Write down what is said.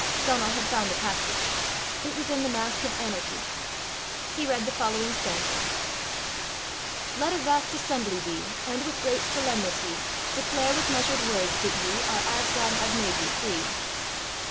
Donal had found the passage. It was in The Mask of Anarchy. He read the following stanzas: Let a vast assembly be, And with great solemnity Declare with measured words that ye Are, as God has made ye, free.